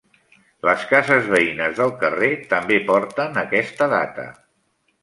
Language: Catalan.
Les cases veïnes del carrer també porten aquesta data.